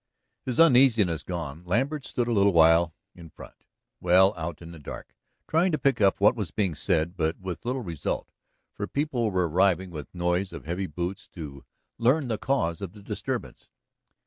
His uneasiness gone, Lambert stood a little while in front, well out in the dark, trying to pick up what was being said, but with little result, for people were arriving with noise of heavy boots to learn the cause of the disturbance.